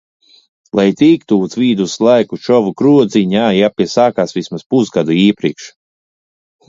Lai tiktu uz viduslaiku šovu krodziņā, jāpiesakās vismaz pusgadu iepriekš.